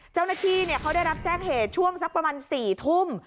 เจ้าหน้าที่เขาได้รับแจ้งเหตุช่วงสักประมาณ๔ทุ่ม